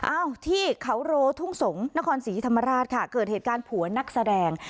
อ้าวที่เขาโรทุ่งสงศ์นครศรีธรรมราชค่ะเกิดเหตุการณ์ผัวนักแสดง